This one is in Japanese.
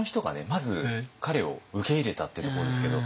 まず彼を受け入れたっていうところですけど。